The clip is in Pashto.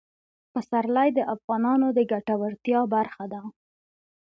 پسرلی د افغانانو د ګټورتیا برخه ده.